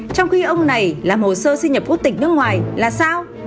trong khi ông này làm hồ sơ xin nhập quốc tịch nước ngoài là sao